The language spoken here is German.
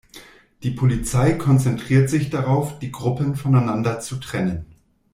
Die Polizei konzentriert sich darauf, die Gruppen voneinander zu trennen.